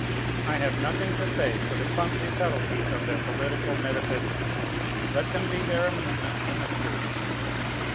I have nothing to say to the clumsy subtilty of their political metaphysics. Let them be their amusement in the schools.